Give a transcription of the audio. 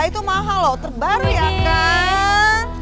itu mahal loh terbaru ya kan